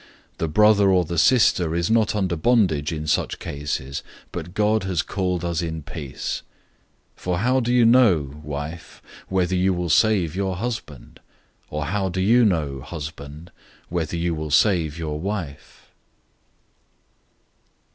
The brother or the sister is not under bondage in such cases, but God has called us in peace. 007:016 For how do you know, wife, whether you will save your husband? Or how do you know, husband, whether you will save your wife?